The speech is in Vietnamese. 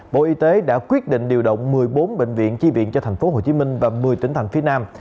bộ y tế đã quyết định điều động một mươi bốn bệnh viện chi viện cho thành phố hồ chí minh và một mươi tỉnh thành phía nam